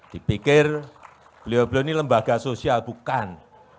dipikir beliau beliau ini lembaga sosial bukan